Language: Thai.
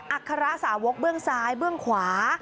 อัคระสาวกเบื้องซ้ายเบื้องขวา